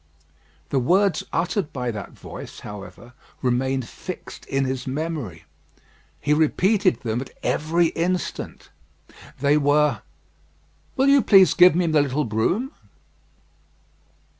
The words uttered by that voice, however, remained fixed in his memory. He repeated them at every instant. They were, "Will you please give me the little broom?"